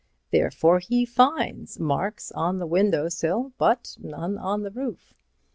Therefore he finds marks on the window sill but none on the roof.